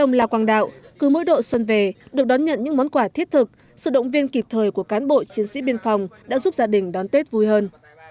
ông la quang đạo cứ mỗi độ xuân về được đón nhận những món quà thiết thực sự động viên kịp thời của cán bộ chiến sĩ biên phòng đã giúp gia đình đón tết vui hơn